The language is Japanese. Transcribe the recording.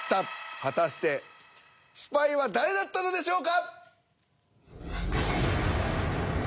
果たしてスパイは誰だったのでしょうか！？